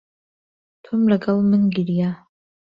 تۆم لەگەڵ من گریا.